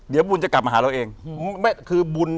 เดี๋ยวบุญจะกลับมาหาเราเอง